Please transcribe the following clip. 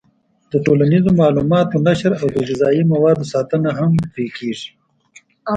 د ټولنیزو معلوماتو نشر او د غذایي موادو ساتنه هم پرې کېږي.